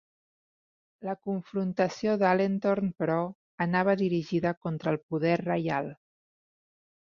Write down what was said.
La confrontació d'Alentorn, però, anava dirigida contra el poder reial.